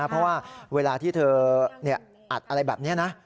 เพราะว่าเวลาที่เธออัดอะไรแบบนี้นะ